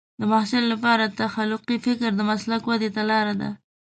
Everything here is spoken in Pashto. د محصل لپاره تخلیقي فکر د مسلک ودې ته لار ده.